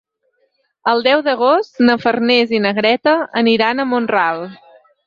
El deu d'agost na Farners i na Greta aniran a Mont-ral.